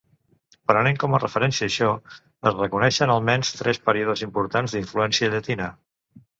Prenent com a referència això, es reconeixen almenys tres períodes importants d'influència llatina.